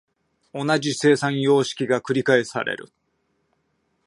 同じ生産様式が繰返される。